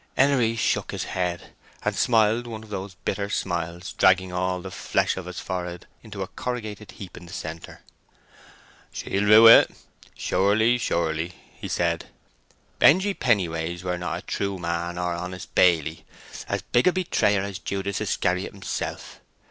Henery shook his head, and smiled one of the bitter smiles, dragging all the flesh of his forehead into a corrugated heap in the centre. "She'll rue it—surely, surely!" he said. "Benjy Pennyways were not a true man or an honest baily—as big a betrayer as Judas Iscariot himself.